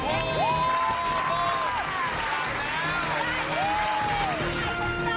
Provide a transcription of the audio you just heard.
ขอบคุณค่ะ